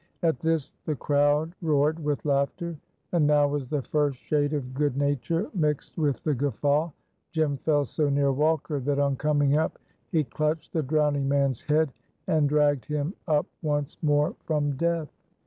At this the crowd roared with laughter, and now was the first shade of good nature mixed with the guffaw. Jem fell so near Walker that on coming up he clutched the drowning man's head and dragged him up once more from death.